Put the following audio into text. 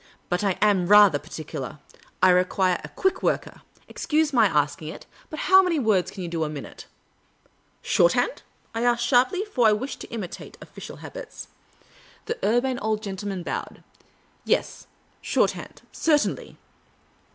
But I am rather particular. I require a quick worker. Excuse my asking it, but how many words can you do a minute ?"" Shorthand ?" I asked, sharply, for I wished to imitate official habits. The Urbane Old Gentleman bowed. " Yes, shortha^nd Certainly."